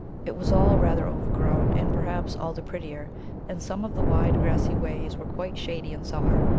It was all rather overgrown, and perhaps all the prettier, and some of the wide grassy ways were quite shady in summer.